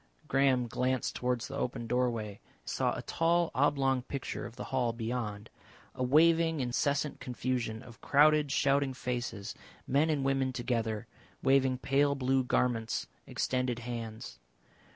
Graham glanced towards the open doorway, and saw a tall, oblong picture of the hall beyond, a waving, incessant confusion of crowded, shouting faces, men and women together, waving pale blue garments, extended hands.